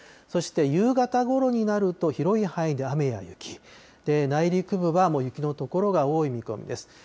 そして夕方ごろになると、広い範囲で雨や雪、内陸部はもう雪の所が多い見込みです。